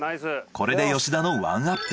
これで吉田の１アップ。